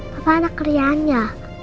papa ada kerjaannya